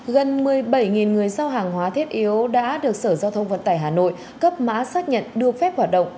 gần một mươi bảy người giao hàng hóa thiết yếu đã được sở giao thông vận tải hà nội cấp mã xác nhận đưa phép hoạt động